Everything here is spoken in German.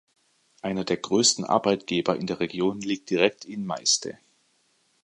Einer der größten Arbeitgeber in der Region liegt direkt in Meiste.